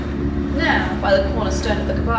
"Now, by the corner stone of the Caaba!"